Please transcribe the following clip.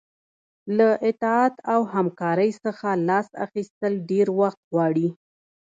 له اطاعت او همکارۍ څخه لاس اخیستل ډیر وخت غواړي.